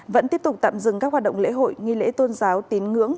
vẫn tiếp tục tạm dừng các hoạt động lễ hội nghi lễ tôn giáo tín ngưỡng